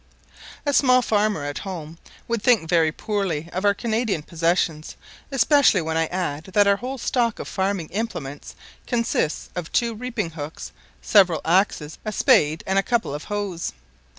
A small farmer at home would think very poorly of our Canadian possessions, especially when I add that our whole stock of farming implements consists of two reaping hooks, several axes, a spade, and a couple of hoes.